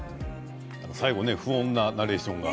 最後、不穏なナレーションが。